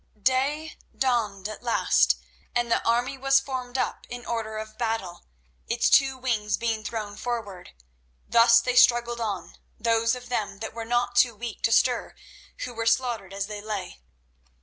Day dawned at last; and the army was formed up in order of battle, its two wings being thrown forward. Thus they struggled on, those of them that were not too weak to stir, who were slaughtered as they lay.